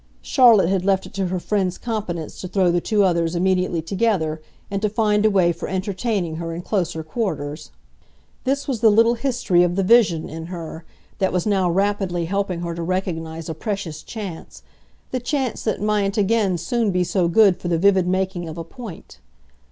Charlotte had left it to her friend's competence to throw the two others immediately together and to find a way for entertaining her in closer quarters. This was the little history of the vision, in her, that was now rapidly helping her to recognise a precious chance, the chance that mightn't again soon be so good for the vivid making of a point.